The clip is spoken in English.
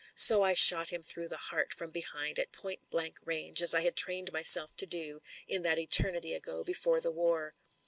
So I shot him through the heart from behind at point blank range as I had trained myself to do— in that eternity ago— before the war.